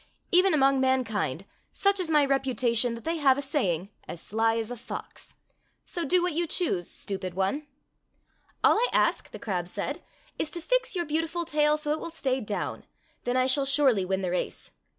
Even among mankind, such is my reputation that they Fairy Tale Foxes 207 have a saying, 'As sly as a fox.' So do what you choose, stupid one." "All I ask," the crab said, "is to fix your beautiful tail so it will stay down. Then I shall surely win the race."